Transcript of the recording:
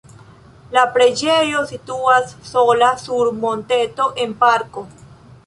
La preĝejo situas sola sur monteto en parko.